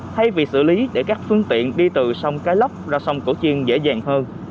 thay vì xử lý để các phương tiện đi từ sông cái lóc ra sông cổ chiên dễ dàng hơn